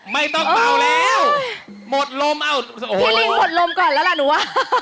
ไม่ต้องเบาแล้วหมดลมเอาพี่ลิงหมดลมก่อนแล้วล่ะหนูว่า